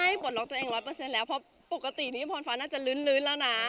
ใช่ปลดล็อกตัวเองร้อยเปอร์เซ็นต์แล้วเพราะปกตินี้พรฟ้าน่าจะลื้นลื้นแล้วน่ะ